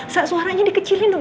saak suaranya dikecilin dong